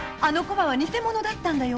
偽物だったんだよ。